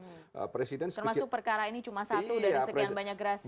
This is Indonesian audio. termasuk perkara ini cuma satu dari sekian banyak gerasi